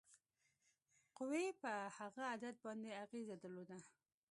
قوې په هغه عدد باندې اغیزه درلوده.